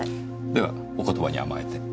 ではお言葉に甘えて。